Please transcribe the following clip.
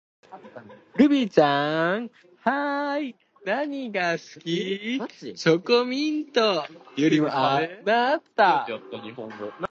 愛♡スクリ～ム!